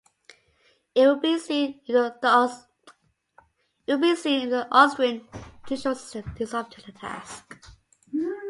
It will be seen if the Austrian judicial system is up to the task.